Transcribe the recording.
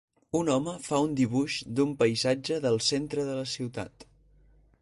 Un home fa un dibuix d'un paisatge del centre de la ciutat.